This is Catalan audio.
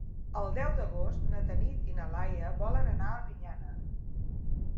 El deu d'agost na Tanit i na Laia volen anar a Albinyana.